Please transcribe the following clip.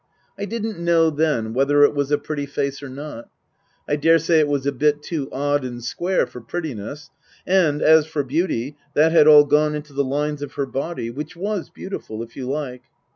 I didn't know then whether it was a pretty face or not. I daresay it was a bit too odd and square for prettiness, and, as for beauty, that had all gone into the lines of her body (which was beautiful, if you like).